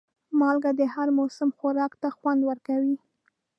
مالګه د هر موسم خوراک ته خوند ورکوي.